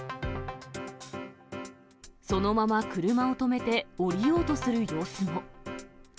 そのまま車を止めて、降りようとする様子も。